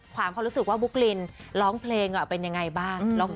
ความเขารู้สึกว่าบุ๊กลินร้องเพลงเป็นยังไงบ้าง